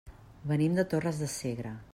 Venim de Torres de Segre.